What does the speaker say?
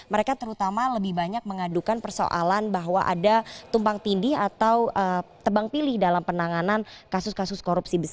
mereka terutama lebih banyak mengadukan persoalan bahwa ada tumpang tindih atau tebang pilih dalam penanganan kasus kasus korupsi besar